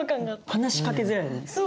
話しかけづらいよね。